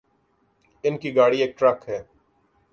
ان کی گاڑی ایک ٹرک سے